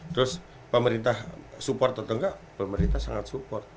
terus pemerintah support atau enggak pemerintah sangat support